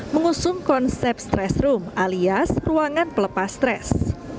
mengusung konsep stres room alias ruangan pelepas stres